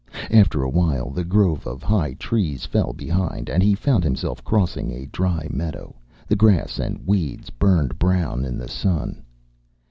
After a while the grove of high trees fell behind and he found himself crossing a dry meadow, the grass and weeds burned brown in the sun.